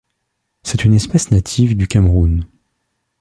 C'est une espèce native du Cameroun.